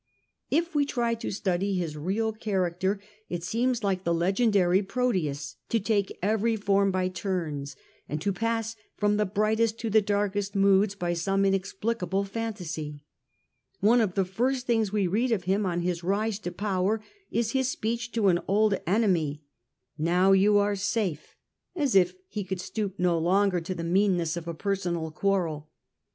If we try to study his real character it seems, like But the legendary Proteus, to take every form by turns, to pass from the brightest to the dark ties were est moods by some inexplicable fantasy. One bS.'in?ed\y of the first things we read of him on his rise anJsTr^ge to power is his speech to an old enemy, caprices. ^ Now you are safe,* as if he could stoop no longer to the 62 llie Age of tJte Antonines, a. a meanness of a personal quarrel.